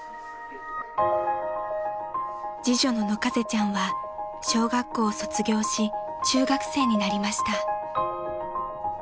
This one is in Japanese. ［次女の野風ちゃんは小学校を卒業し中学生になりました］